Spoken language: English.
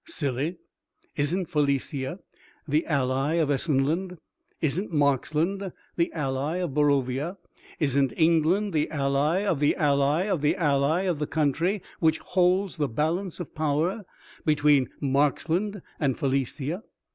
"Silly, isn't Felicia the ally of Essenland; isn't Marksland the ally of Borovia; isn't England the ally of the ally of the ally of the Country which holds the balance of power between Marksland and Felicia?"